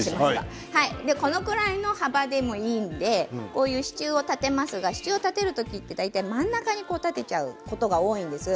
これぐらいの幅でもいいので支柱を立てますが支柱を立てる時に真ん中に立てることも多いと思うんですが